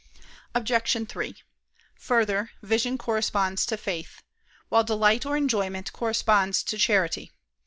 Obj. 3: Further, vision corresponds to faith; while delight or enjoyment corresponds to charity.